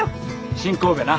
新神戸な。